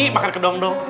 makan kedong dong